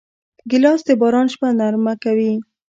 ګیلاس د باران شپه نرمه کوي.